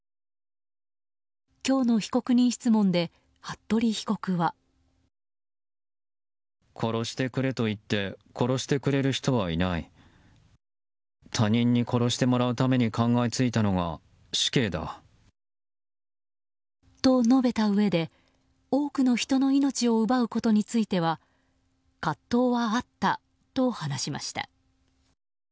今日の被告人質問で服部被告は。と述べたうえで多くの人の命を奪うことについては葛藤はあったと話しました。